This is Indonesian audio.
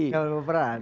gak boleh baperan